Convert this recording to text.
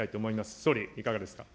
総理、いかがですか。